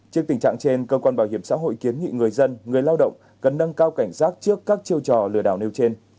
trước tình trạng trên cơ quan bảo hiểm xã hội kiến nghị người dân người lao động cần nâng cao cảnh giác trước các chiêu trò lừa đảo nêu trên